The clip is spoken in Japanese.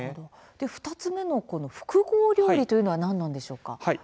２つ目の複合料理というのは何なんでしょうか？